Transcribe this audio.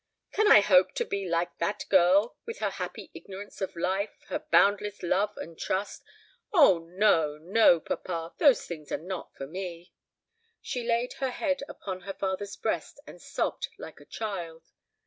"Can I hope to be like that girl, with her happy ignorance of life, her boundless love and trust! O, no, no, papa; those things are not for me." She laid her head upon her father's breast, and sobbed like a child.